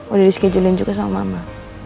udah dischedulein juga sama mama